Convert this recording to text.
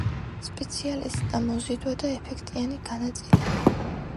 სპეციალისტთა მოზიდვა და ეფექტიანი განაწილება